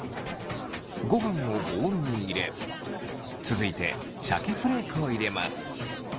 ごはんをボウルに入れ続いてシャケフレークを入れます。